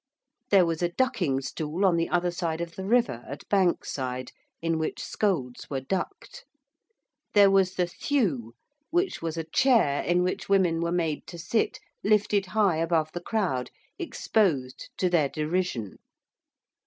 There was a ducking stool on the other side of the river, at Bank Side, in which scolds were ducked. There was the thewe, which was a chair in which women were made to sit, lifted high above the crowd, exposed to their derision.